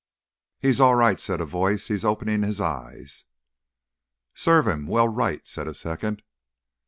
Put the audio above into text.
"He's all right," said a voice. "He's opening his eyes." "Serve him well right," said a second.